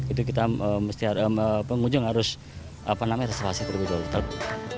itu kita pengunjung harus reservasi terlebih dahulu